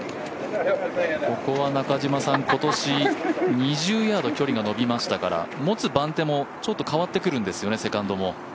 ここは、今年２０ヤード距離が延びましたから持つ番手もちょっと変わってくるんですよね、セカンドも。